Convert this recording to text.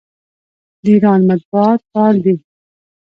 د ایران مطبوعات فعال دي.